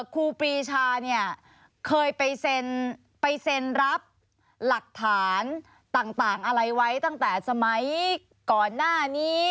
ครูปรีชาเนี่ยเคยไปเซ็นรับหลักฐานต่างอะไรไว้ตั้งแต่สมัยก่อนหน้านี้